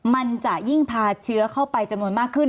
มันจะยิ่งพาเชื้อเข้าไปจำนวนมากขึ้น